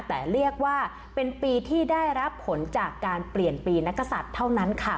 แต่เรียกว่าเป็นปีที่ได้รับผลจากการเปลี่ยนปีนักศัตริย์เท่านั้นค่ะ